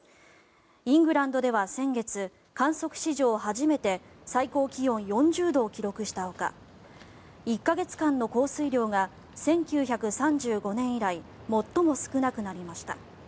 イングランドでは先月観測史上初めて最高気温４０度を記録したほか１か月間の降水量が１９３５年以来最も少なくなりました。